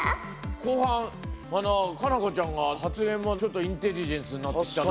後半佳菜子ちゃんが発言もちょっとインテリジェンスになってきちゃったと思って。